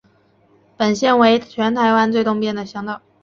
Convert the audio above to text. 本线为全台湾最东边乡道。